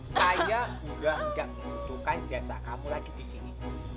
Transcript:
saya udah gak butuhkan jasa kamu lagi disini